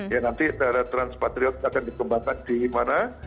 ya nanti transpatriot akan dikembangkan di mana